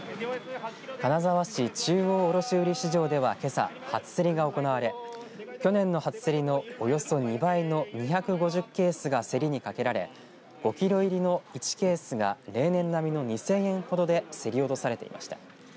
金沢市中央卸売市場では、けさ初競りが行われ去年の初競りのおよそ２倍の２５０ケースが競りにかけられ５キロ入りの１ケースが例年並みの２０００円ほどで競り落とされていました。